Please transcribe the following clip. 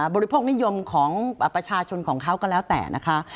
บริโภคนิยมของประชาชนของเขาก็แล้วแต่นะคะ